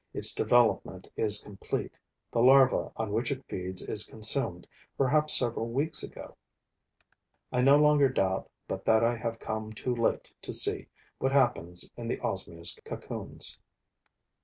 Its development is complete, the larva on which it feeds is consumed, perhaps several weeks ago. I no longer doubt but that I have come too late to see what happens in the Osmia's cocoons.